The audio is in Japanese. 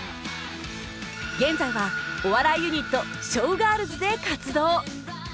現在はお笑いユニットショウガールズで活動